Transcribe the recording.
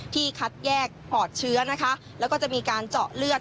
ที่คัดแยกอดเชื้อแล้วก็จะมีการเจาะเลือด